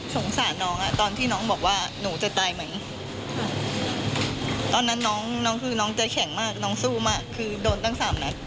สงสารน้องตอนที่น้องบอกว่าหนูจะตายเหมือนตอนนั้นน้องคือน้องจะแข็งมากน้องสู้มากคือโดนตั้งสามนัด